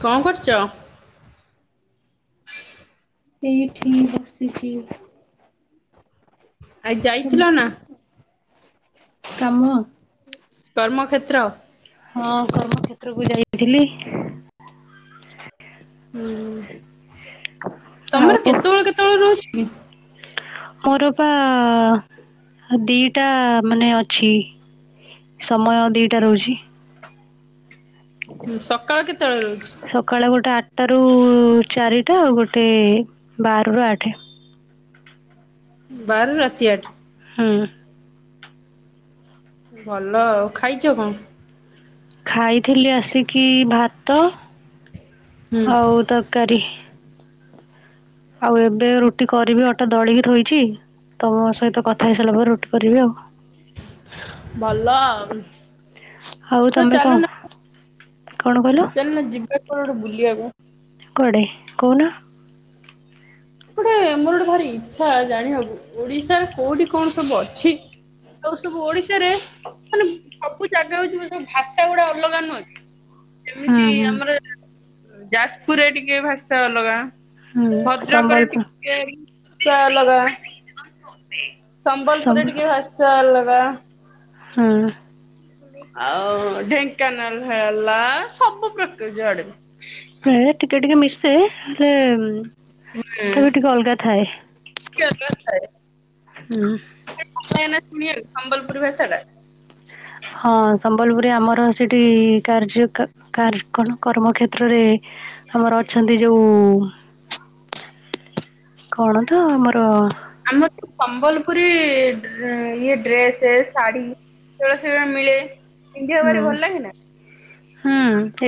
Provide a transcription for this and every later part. କଣ କରୁଛ? ଏଇଠି ବସିଚି ଆଜି ଯାଇଥିଲ ନା। କାମ କର୍ମକ୍ଷେତ୍ର ହଁ କର୍ମକ୍ଷେତ୍ରକୁୁ ଯାଇଥିଲି। ହୁ ତମର କେତେବେଳ କେତେବେଳ ରହୁଛି କି? ମୋର ପା ଦିଟା ମାନେ ଅଛି। ସମୟ ଦିଟା ରହୁଛି। ସକାଳ କେତେବେଳେ ରହୁଛି? ସକାଳ ଗୋଟେ ଆଠଟା ରୁ ଚାରିଟା ଗୋ ସେ ବାରରୁ ଆଠେ। ବାର ରୁ ରାତି ଆଠେ। ହୁଁ। ଭଲ ଆଉ ଖାଇଛ କଣ? ଖାଇଥିଲି ଆସିକି ଭାତ ହୁଁ ଆଉ ତରକାରି। ଆଉ ଏବେ ରୁଟି କରିବି ଅଟା ଦଳିକି ଥୋଇଛି। ତମୋ ସହିତ କଥା ହେଇସାରିଲା ପରେ ରୁଟି କରିବି ଆଉ। ଭଲ ଆଉ ତ ଚାଲୁ ନା ଚାଲୁ ନ ଯିବା କୁଆଡ଼େ ଗୋଟେ ବୁଲିବାକୁ। କୁଆଡ଼େ କହୁନ? ଗୋଟେ ମୋର ଗୋଟେ ଭାରି ଇଚ୍ଛା ଜାଣିବାକୁ ଓଡିଶା କୋଉଠି କଣ ସବୁ ଅଛି? ଯୋଉ ସବୁ ଓଡି ଚେ ରେ ମାନେ ସବୁ ଜାଗା ହଉଛି ସବୁ ଭାଷା ଗୁଡା ଅଲଗା ନୁହଁ କି। ଏମିତି ଆମର ଯାଜପୁରରେ ଟିକେ ଭାଷା ଅଲଗା। ହୁଁ। ଭଦ୍ରକରେ ଟିକେ ଭାଷା ଅଲଗା। ସମ୍ବଲପୁରରେ ଟିକେ ଭାଷା ଅଲଗା। ହୁଁ। ଆଉ ଢେଙ୍କାନାଳ ହେଲା ସବୁ ପ୍ରକାର ଯୁଆଡ଼େ ବି। ହେଁ ଟିକେ ଟିକେ ମିଶେ ହେଲେ ତଥାପି ଟିକେ ଅଲଗା ଥାଏ। ଥାଏ। ହୁଁ। ଭଲ ଲାଗେନା ଶୁଣିବାକୁ ସମ୍ବଲପୁରି ଭାଷାଟା। ହଁ ସମ୍ବଲପୁରରେ ଆମର ସେଠି କାର୍ଯ୍ୟ କାର କଣ କର୍ମ କ୍ଷେତ୍ର ରେ। ଆମର ଅଛନ୍ତି ଯୋଉ କଣ ତ ଆମର ଆମର ତ ସମ୍ବଲପୁରୀ ଇଏ ଡ୍ରେସେ ଶାଢୀ ସେଗୁଡା ସବୁ ମିଳେ ପିନ୍ଧିବାକୁ ହୁଁ ଭାରି ଭଲ ଲାଗେ ନା। ହୁଁ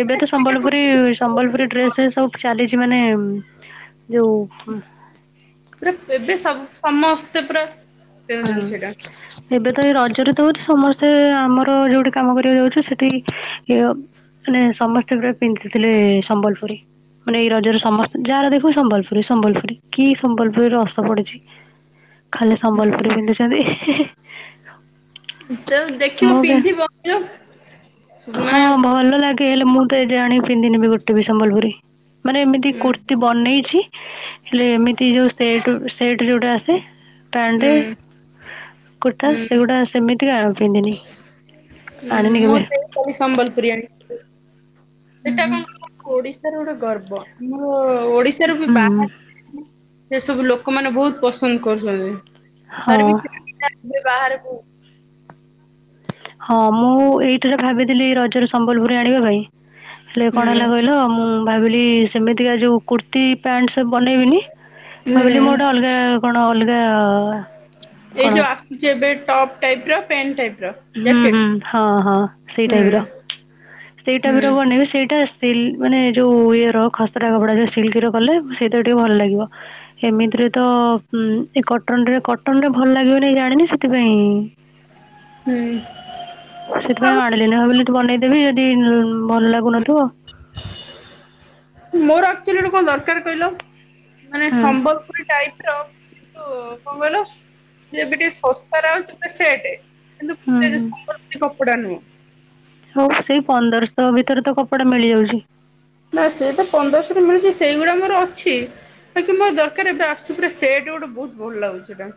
ଏବେ ତ ସମ୍ବଲପୁରୀ ସମ୍ବଲପୁରୀ ଡ୍ରେସ ସବୁ ଚାଲିଛି ମାନେ ଯୋଉ ମସ୍ତେ ପୁରା ହଁ ପିନ୍ଧୁଛନ୍ତି ସେଇଟା। ଏବେ ତ ଏଇ ରଜରେ ତୋ ଅତି ସମସ୍ତେ ଆମର ଯୋଉଠି କାମ କରିଆକୁ ଯାଉଛୁ ସେଠି ଇଏ ନେ ସମସ୍ତେ ପୁରା ପିନ୍ଧିଥିଲେ ସମ୍ବଲପୁରୀ। ମାନେ ଏଇ ରଜରେ ସମସ୍ତେ ଯାହାର ଦେଖିବୁ ସମ୍ବଲପୁରୀ ସମ୍ବଲପୁରୀ କି ସମ୍ବଲପୁରୀ ରସ ପଡ଼ିଛି। ଖାଲି ସମ୍ବଲ୍ ହାଦି ତୋ ଦେଖିବ ପିନ୍ଧିବ ଇଅ ହଁ ଭଲ ଲାଗେ ହେଲେ ମୁଁ ତ ଏଯାଏଁ ଆଣି ପିନ୍ଧିନି ବି ଗୋଟେ ବି ସମ୍ବଲପୁରୀ। ମାନେ ଏମିତି କୁର୍ତ୍ତିୀ ହୁଁ ବନେଇଛି ହେଲେ ଏମିତି ଯୋଉ ସେଟ୍ ସେଟ୍ ଯୋଉଟା ଆସ୍ ସେ ପ୍ୟାଣ୍ଟେ କୁର୍ତ୍ତା ହୁଁ ସେଉଡ଼ା ସେମିତିକା ଆଉ ପିନ୍ଧିନି। ହୁଁ ଆଣିନି ମୁଁ ତ ଏ କାଲି ସମ୍ବଲପୁରୀ ଆଣିଥିଲି। ଏଟା କେବେ। କଁ କହିଲ ଓଡ଼ିଶାର ଗୋଟେ ଗର୍ବ ଆମର ଓ ଓଡ଼ିଶାରୁ ପା ହୁଁ ବାହାର ସେ ସବୁ ଲୋକମାନେ ବୋହୁତ ପସନ୍ଦ କରୁଛନ୍ତି। ହଁ ତାର ବି [unintelligible] ବି ବାହାରେ। ହଁ ମୁଁ ଏଇଥର ଭାବିଥିଲି ରଜରେ ସମ୍ବଲପୁରୀ ଆଣିବା ପାଇଁ। ହେଲେ କଣ ହୁଁ ହେଲା କହିଲ ମୁଁ ଭାବିଲି ସେମିତିକା ଯୋଉ କୁର୍ତ୍ତୀ ପ୍ୟାଣ୍ଟସ୍ ଟା ବନେଇବିନି ଭାବିଲି ହୁଁ ମୋ ଟା ଅଲଗା କଣ ଅଲଗା ଏଇ କ'ଣ ଯୋଉ ଆସୁଚି ଏବେ ଟାଇପ୍ ର ପେନ୍ ଟାଇପ୍ ହୁଁ ହୁଁ ହଁ ହଁ ସେଇ ଟାଇପ୍ ହୁଁ ର ସେଇ ଟାଇପ୍ ର ହୁଁ ବନେଇବେ ସେଇଟା ସିଲ୍ ମାନେ ଯୋଉ ଇଏର ଖସରା କପଡ଼ା ଯଉ ସିଲ୍କ୍ ର କଲେ ସେଇଟା ଟିକେ ଭଲ ଲାଗିବ ଏମିତି ର ଇ ତ ଉଁ ଏ କଟନ୍ ରେ କଟନ୍ ରେ ଭଲ ଲାଗିବ ନେଇ ଜା ଆନି ସେଥିପାଇଁ। ହୁଁ ସେଥିପାଇଁ ଆଉ ଆଣିଲିନି ଭାବିଲି ଏଠୁ ବନେଇଦେବି ଅଦି ଭଲ ଲାଗୁନଥୁବ। ଆକ୍ଚୁଲି ଗୋଟେ କଣ ଦରକାର କହିଲ ମାନେ ହଁ ସମ୍ବଲପୁରୀ ଟାଇପ୍ ପ୍ର ଏ ଯୋଉ କଁ କହିଲ ଯେ ଏବେ ଟିଏ ଶସ୍ତାରେ ଆଉଚି ପୁରା ସେଟେ। କିନ୍ତୁ ହଁ ପୁରା ଯେ ହଁ ସମ୍ବଲପୁରୀ କପଡ଼ା ନୁହେଁ ନ। ହଉ ସେଇ ପନ୍ଦରଶ ଭିତରେ ତ କପଡ଼ା ମିଳିଯାଉଚି। ନାଁ ସେ ତ ପନ୍ଦରଶରୁ ମିଳୁଚି ସେଇଗୁଡ଼ା ମୋର ଅଛି। ବାକି ମୋର ଦରକାର ଏବେ ଆସୁଚି ପୁରା ସେଟ୍ ଗୋଟେ ବୋହୁତ ଭଲ ଲାଗୁ ସେଟା।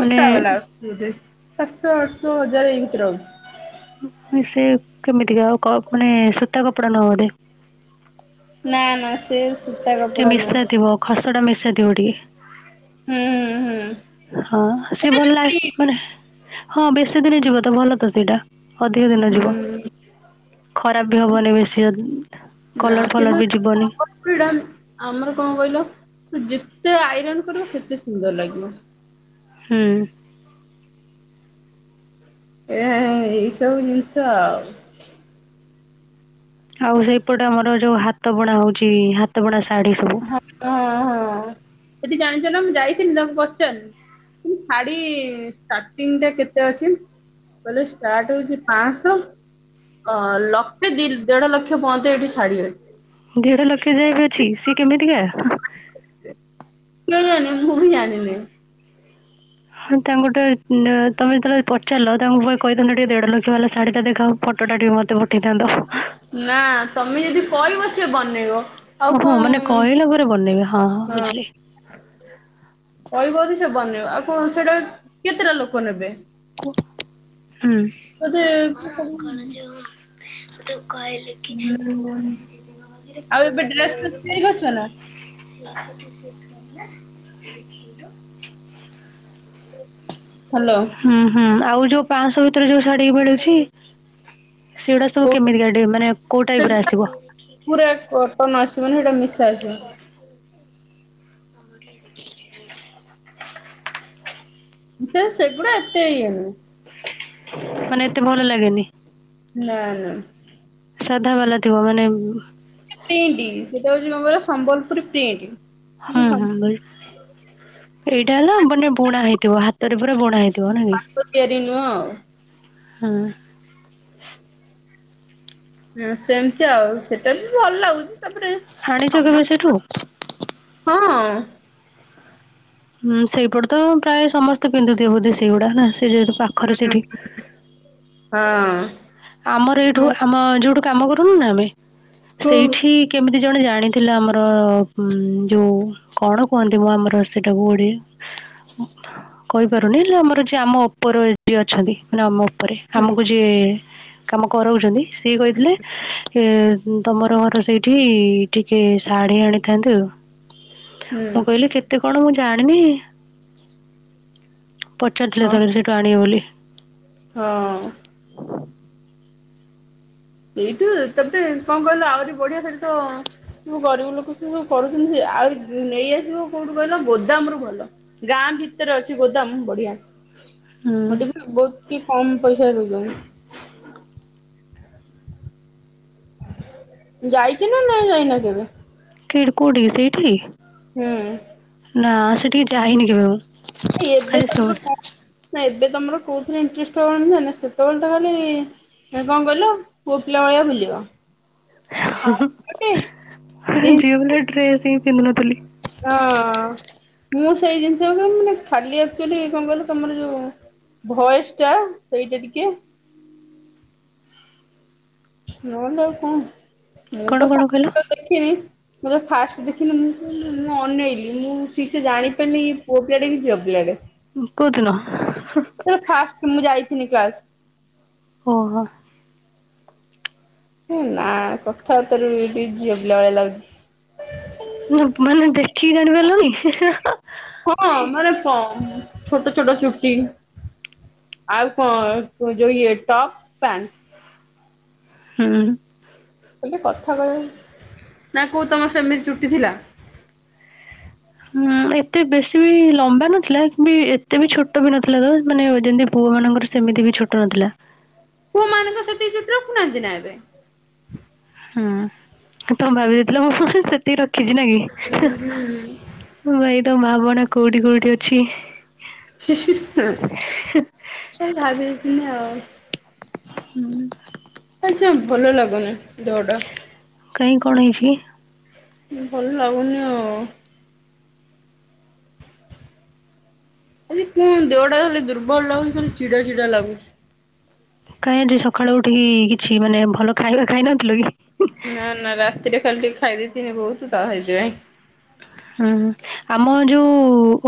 ମାନେ ବାଲା ଆସୁଚି ବୋଧେ ସାତଶ ଆଠଶ ହଜାରେ ଏଇ ଭିତରେ ଆଉଚି। ଉଁ ଏ ସେ କେମିତିକା ଅ କ ମାନେ ସୁତା କପଡ଼ା ନୁହଁ ବୋଧେ। ନାଁ ନାଁ ସେ ସୂତା ଟିକେ କପଡା ନୁହଁ ମିଶାଥିବ ଖସଡ଼ା ମିଶାଥିବ ଟିକେ। ହୁଁଁ ହୁଁ ହୁଁ। ହଁ ସିଏ ଏଟା ଭଲ ଯୋଉ ଲାଷ୍ ପ୍ରିଣ୍ଟ କରେ ହଁ ବେଶୀ ଦିନି ଯିବ ତ ଭଲ ତ ସେଇଟା। ଅଧିକ ଦିନ ଯିବ ହୁଁ। ଖରାପ ବି ହବନେଇ ବେଶୀ ଅ ନାଁ କିନ୍ତୁ ସମ୍ବଲପୁରୀଟା ଆମର କଁ କଇଲ ଯେତେ ଆଇରନ୍ କରିବ ସେତେ ସୁନ୍ଦର ଲାଗିବ। ହୁଁ। ଏଇଆ ଏଇସବୁ ଜିନିଷ ଆଉ। ଆଉ ହେଇପଟେ ଆମର ଯୋଉ ହାତ ବୁଣା ହଉଚି ହାତ ବୁଣା ଶାଢ଼ୀ ସବୁ ହା ହଁ ହଁ ଏଠି ଜାଣିଚ ନାଁ ମୁଁ ଯାଇଥିଲିନି ତାଙ୍କୁ ପଚାର୍ ଶାଢ଼ୀ ଷ୍ଟାର୍ଟିଂଟା କେତେ ଅଛି। କଇଲେ ଷ୍ଟାର୍ଟ ହଉଚି ପାଁଶ ଅ ଲକ୍ଷେ ଦି ଦେଢ଼ ଲକ୍ଷ ପଅନ୍ତ ଏଠି ଶାଢ଼ୀ ଅ ଦେଢ଼ ଲକ୍ଷ ଯାଏ ବି ଅଛି ସିଏ କେମିତିକା? କେଜାଣ ମୁଁ ବି ଜାଣିନି। ହଁ ତାଙ୍କୁ ଗୋଟେ ଉଁ ତମେ ଯେତେବେଳେ ପଚାରଲ ତାଙ୍କୁ ବହେ କହିଥାନ୍ତ ଟିକେ ଦେଢ ଲକ୍ଷ ବାଲା ଶାଢୀଟା ଦେଖାଅ ଫ ଫଟୋଟା ଟିକେ ମତେ ପଠେଇଥାନ୍ତ। ନା ତମେ ଯଦି କହିବ ସେ ବନେଇବ ଆଉ କଣ ଓହୋ ମାନେ କହିଲା ପରେ ବନେଇବେ ହଁ ହଁ ବୁଝିଲି। ହ କହିବକି ସେ ବନେଇବ ଆଉ କଣ ସେଟା ବି କେତେଟା ଲୋକ ନେବେ? ହୁଁ। ବୋଧେ କହିଲେ କି ପ ଦିନରେ ଆଉ ପ ଏବେ ଡ୍ରେସ୍ ଫ୍ରେସ୍ ତିଆରି କରିଛ ନା ପଇସା ଅଛି ଦ ହ୍ୟାଲୋ ହୁଁ ହୁଁ ଆଉ ଯୋଉ ପାଞ୍ଚଶ ଭିତରେ ଯୋଉ ଶାଢୀ ମିଳୁଛି ସେଉଡା ସବୁ କେମିତିକା ଟିକେ ମାନେ କୋଉ ଟାଇପର ଆସିବ? ସେ ମାନେ ସେଟା ନିଶା ଆସିବ। ଏତେ ସେଗୁଡ଼ା ଏତେ ଇଏ ନୁ ମାନେ ଏତେ ଭଲ ଲାଗେନି। ନା ନା। ସାଧା ବାଲା ଥିବ ମାନେ ପ୍ରିଣ୍ଟି ସେଇଟା ହୋଉଚି କଣ କହିଲ ସମ୍ବଲପୁରୀ ପ୍ରିଣ୍ଟି। ହୁଁ ହୁଁ ବଲି ଏଇଟା ହେଲା ମାନେ ବୁଣା ହେଇଥିବ ହାତରେ ପୁରା ବୁଣା ହେଇ ହାତ ତିଆରି ନୁହଁ ଆଉ। ହଁ। ହୁଁ ସେମତି ଆଉ ସେଟା ବି ଭଲ ଲାଗୁଚି। ତାପରେ ଆଣିଛ କେବେ ସେଠୁ ସମସ୍ତ ହଁ। ହୁଁ ସେଇପଟେ ତ ପ୍ରାୟେ ସମସ୍ତେ ପିନ୍ଧୁଥିବେ ବୋଧେ ସେଇଗୁଡା ନା ସେଇ ଯେହେତୁ ପାଖରେ ସେଇଠି। ହଁ। ଆମର ଏଇଠୁ ମୁଁ ଆମ ଯୋଉଠୁ କାମ କରୁନୁ ନା ଆମେ ହୁଁ ସେଇଠି କେମି ଜଣେ ଜାଣିଥିଲା ଆମର ଉଁ ଯୋଉ କଣ କୁହନ୍ତିମ ଆମର ସେଟାକୁ ଓଡିଆ ଉଁ କହିପାରୁନି ହେଲେ ଆମର ଯିଏ ଆମ ଓପରେ ଯିଏ ଅଛନ୍ତି ମାନେ ଆମ ଓପରେ ଆମକୁ ଯିଏ କାମ କରୋଉଚନ୍ତି ସିଏ କହିଥିଲେ ଇଏ ତମର ଘର ସେଇଠି ଟିକେ ଶାଢ଼ୀ ଆଣିଥାନ୍ତୁ। ମୁଁ କହିଲି କେତେ କଣ ମୁଁ ଜାଣିନି ପଚାରଥିଲେ ହଁ ଯେତେବେଳେ ସେଠୁ ଆଣିବେ ବୋଲି। ହଁ। ସେଇଠୁ ତତେ କଣ କହିଲ ଆହୁରି ବଢିଆ ସେଇଠି ତ ସବୁ ଗରିବ ଲୋକ ସିଏ ସବୁ କରୁଚନ୍ତି ସେରା ଆଉ ନେଇଆସିବ କୋଉଠୁ କହିଲ ଗୋଦାମରୁୁ ଭଲ ଗାଁ ଭିତରେ ଅଛି ଗୋଦାମ ବଢିଆ। ହୁଁ। ମତେ କିନ୍ତୁ ବୋହୁତ ଟି କମ ପଇସାରେ ଦୋଉଚନ୍ତି। ହ ଯାଇଚ ନା ନାଇଁ ଯାଇନ କେବେ? କିିଡ଼୍ କୋଉଠିକି ସେଇଠି। ହୁଁ। ନା ସେଠିକି ଯାଇନି କେବେ ମୁଁ। ଏଇ ଏବେ ଖାଲି [inaudible] ଶୁଣେ। ନା ଏବେ ତମର କୋଉଥିରେ ଇଣ୍ଟରେଷ୍ଟ୍ ରହନିନା ସେତେବେଳେ ତ ଖାଲି ସେ କଣ କହିଲ ପୁଅ ପିଲା ଭଳିଆ ବୁଲିବ। ହୁ ହୁ ଜିନ୍ସ ଝିଅ ପିଲା ଡ୍ରେସ ହିଁ ପିନ୍ଧୁନଥୁଲି। ହଁ। ମୁଁ ତମକୁ ସେଇ ଜିନିଷ କୁହେ ମାନେ ଖାଲି ଆକଚୋଲି କଣ କହିଲ ତମର ଯୋଉ ଭଏସଟା ସେଇଟା ଟିକେ ନ ତ ଆଉ କଣ ମୁଁ କଣ ତ କଣ କହିଲ? [inaudible] ଦେଖିନି। ମୁଁ ତ ଫାଷ୍ଟ ଦେଖିଲି ମୁଁ ମୁଁ ଅନେଇଲି ମୁଁ ଠିକ ସେ ଜାଣିପାରିନି ଇଏ ପୁଅ ପିଲାଟେ କି ଝିଅ ପିଲାଟେ। ଉଁ, କୋଉଦିନ? ସେ ଫାଷ୍ଟ ମୁଁ ଯାଇଥିନି କ୍ଲାସ୍। ଓହୋ! ହେ ନା କଥାବାର୍ତ୍ତା ରୁ ବି ଝିଅ ପିଲା ଭଳିଆ ଲାଗୁଚି। ନା ମାନେ ଦେଖିକି ଜାଣିପାରଲନି। ହଁ ମାନେ ସମ୍ ଛୋଟ ଛୋଟ ଚୁଟି। ଆଉ କ ଯୋଉ ଇଏ ଟପ୍ ପ୍ୟାଣ୍ଟ। ହୁଁ। ଖାଲି କଥା କହିବା ନା କୋଉ ତୋମର ସେମିତି ଚୁଟି ଥିଲା? ହୁଁ ଏତେ ବେଶୀ ବି ଲମ୍ବା ନଥିଲା କି ବି ଏତେ ବି ଛୋଟ ବି ନଥିଲା ତ ମାନେ ଯେମିତି ପୁଅ ମାନଙ୍କ ମୋର ସେମିତି ବି ଛୋଟ ନଥିଲା। ପୁଅ ମାନେ କଣ ସେତିକି ଚୁଟି ରଖୁନାହାନ୍ତି ନା ଏବେ? ହୁଁ ତୋମେ ଭାବିଦେଇଥିଲ ମୁଁ ବି ସେତିକି ର କିଛି ନା କି ଭାଇ ତ ମା ବଣ କୋଉଠି କୋଉଠି ଅଛି। ସେ ଭାବି ଦେଇଥିନି ଆଉ। ହୁଁ। ଆଜି ଆଉ ଭଲ ଲାଗୁନି ଦେହଟା। ଇ କଣ ହେଇଛି କି? ଭଲ ଲାଗୁନି ଆଉ। ଆଜି ପୁଣ ଦେହଟା ଖାଲି ଦୁର୍ବଳ ଲାଗୁଚି ଖାଲି ଚିଡା ଚିଡା ଲାଗୁଛି। କାହିଁ ଆଜି ସଖାଳୁ ଉଠିକି କିଛି ମାନେ ଭଲ ଖାଇବା ଖାଇନଥିଲ କି? ନା ନା ରାତିରେ ଖାଲି ଟିକେ ଖାଇଦେଇଥିନି ବହୁତ ତ ସେଇଥିପାଇଁ। ହୁଁ, ହୁଁ, ଆମ ଯୋଉ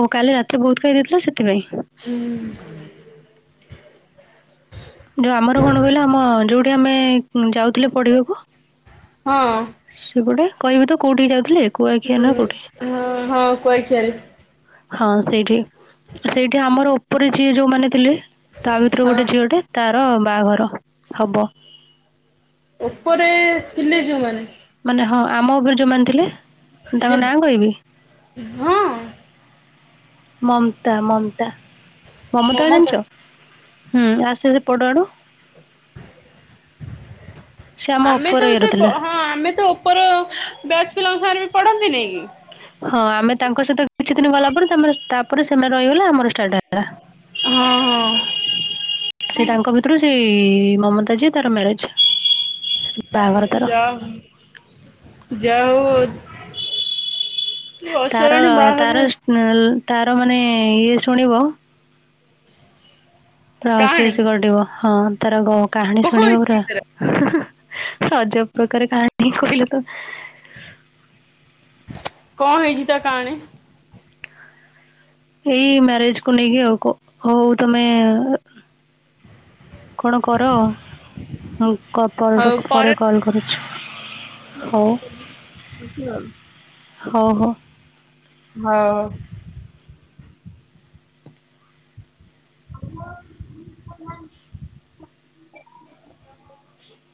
ଓ କାଲି ରାତିର ବହୁତ ଖାାଇ ଦେଇଥିଲ ସେଥିପାଇଁ। ଉଁ ଯୋଉ ଆମର କଣ କହିଲ ଆମ ଯୋଉଠି ଆମେ ଉଁ, ଯାଉ ଥିଲେ ପଢିବାକୁ ହଁ। ସେପଟେ କହିବି ତ କୋଉଠିକି ଯାଉଥିଲେ। କୁଆଖିଆ ନା କୋଉଠି। ହଁ ହଁ କୁଆଖିଆରେ ହଁ ସେଇଠି ସେଇଠି ଆମର ଉପରେ ଝିଏ ଯୋଉମାନେ ଥିଲେ ତା ଭିତରୁ ହଁ। ଗୋଟେ ଝିଅଟେ ତାର ବାହାଘର ହବ। ଉପରେ ଥିଲେେ ଯୋଉମାନେ। ମାନେ ହଁ ଆମ ଉପରେ ଯୋଉମାନେ ଥିଲେ। ଏଇ ତାଙ୍କ ନାଁ କହିବି ଯେ ହଁ ମମତା ମମତା ମମତାକୁ ମମତା ଜାଣିଛ? ହୁଁ ଆସେ ସେପଟ ଆଡୁ। ସେ ଆମ ଆମେ ଉପର ତ ଇଏର ସେ ଥିଲା। ବ-ହଁ ଆମେ ତ ଉପର ବ୍ୟାଚ୍ ପିଲାଙ୍କ ସାଙ୍ଗରେ ବି ପଢନ୍ତିନି କି? ହଁ ଆମେ ତାଙ୍କ ସହିତ କିଛି ଦିନ ଗଲା ପରେ ତୋମର ତାପରେ ସେମା ର ରହିଗଲେ ଆମର ଷ୍ଟାର୍ଟ ହେଲା। ହଁ ହଁ ସେ ତାଙ୍କ ଭିତରୁ ସେଇ ଇ ମମତା ଯିଏ ତାର ମ୍ୟାରେଜ୍। ଯା ଯା ହଉ ତାର ଅସରାଣୀ ବାହା ହେବେ ତାର ଉଁ, ତାର ମାନେ ଇଏ ଶୁଣିବ [unintelligible] ହସି କାହାଣୀ ହସି ଗଡିବ। ହଁ ତାର ଗ- କାହାଣୀ କଣ ଶୁଣିବ ପୁରା ହେଇଛି ତାର ସେ ଅଜବ ପ୍ରକାର କାହାଣୀ କହିଲେ ତ କଣ ହେଇଛି ତା କାହାଣୀ? ଏଇ ମ୍ୟାରେଜ୍ କୁ ନେଇକି ଆଉ କ-ହଉ ତୋମେ କଣ କର? ମୁଁ କର ପରେର ପରେ କଲ୍ କରୁଛୁ। ହଉ। ଆଚ୍ଛା ହଉ। ହଉ ହଉ ହଁ [unintelligible]